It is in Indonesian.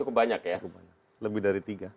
cukup banyak lebih dari tiga